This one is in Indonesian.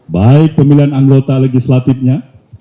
baik pemilihan anggota legislatifnya